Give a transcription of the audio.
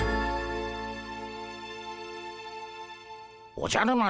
おじゃる丸